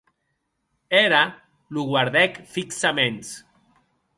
Era lo guardèc fixaments.